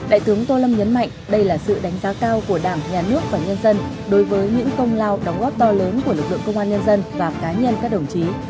đại tướng tô lâm nhấn mạnh đây là sự đánh giá cao của đảng nhà nước và nhân dân đối với những công lao đóng góp to lớn của lực lượng công an nhân dân và cá nhân các đồng chí